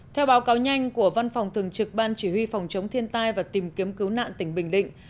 theo báo cáo nhanh của văn phòng thường trực ban chỉ huy phòng chống thiên tai và tìm kiếm cứu nạn tỉnh bình định